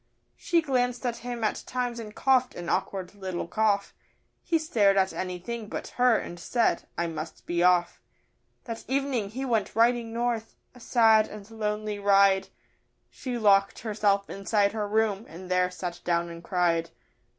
She glanced at him at times and cough'd an awkward little cough; He stared at anything but her and said, 'I must be off.' That evening he went riding north a sad and lonely ride She locked herself inside her room, and there sat down and cried.